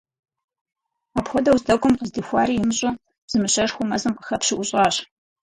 Апхуэдэу здэкӏуэм къыздихуари имыцӏыхуу, зы мыщэшхуэ мэзым къыхэпщу ӏущӏащ.